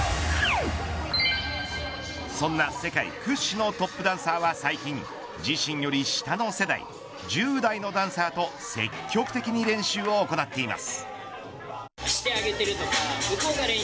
そんな世界屈指のトップダンサーは最近自身より下の世代１０代のダンサーと積極的に練習を行っています。